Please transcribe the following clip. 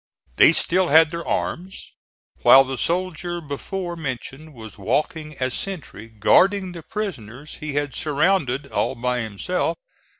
They still had their arms, while the soldier before mentioned was walking as sentry, guarding the prisoners he had SURROUNDED, all by himself.